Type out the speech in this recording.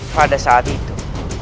pada saat itu